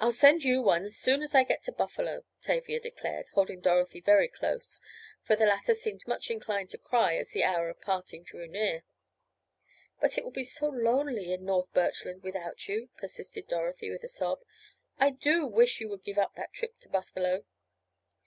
"I'll send you one just as soon as I get to Buffalo," Tavia declared, holding Dorothy very close, for the latter seemed much inclined to cry as the hour of parting drew near. "But it will be so lonely in North Birchland without you," persisted Dorothy, with a sob. "I do wish you would give up that trip to Buffalo."